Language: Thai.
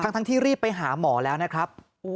ทั้งที่รีบไปหาหมอแล้วนะครับ